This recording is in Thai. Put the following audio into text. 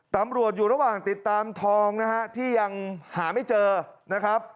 ตำรวจอยู่ระหว่างติดตามทองนะฮะที่ยังหาไม่เจอนะครับ